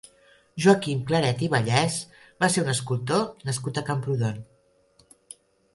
Joaquim Claret i Vallès va ser un escultor nascut a Camprodon.